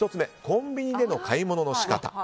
コンビニでの買い物の仕方。